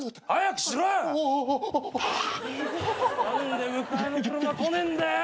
何で迎えの車来ねえんだよ！